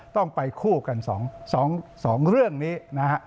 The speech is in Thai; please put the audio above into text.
ต้องไปคู่กัน๒เรื่องนี้นะฮะ